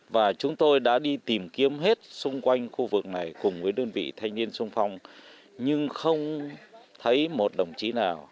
và chúng tôi đã đi tìm kiếm hết xung quanh khu vực này cùng với đơn vị thanh niên sung phong nhưng không thấy một đồng chí nào